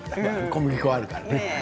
小麦粉があるからね。